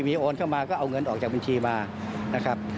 มีโอนเข้ามาก็เอาเงินออกจากบัญชีมานะครับ